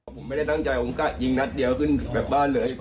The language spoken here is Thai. ผมไม่ได้ตั้งใจผมก็ยิงนัดเดียวขึ้นแบบบ้านเลย